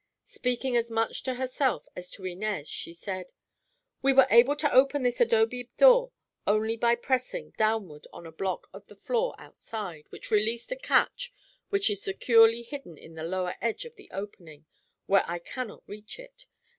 Speaking as much to herself as to Inez she said: "We were able to open this adobe door only by pressing downward on a block of the floor outside, which released a catch which is securely hidden in the lower edge of the opening—where I cannot reach it.